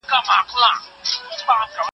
زه اوس لیکل کوم.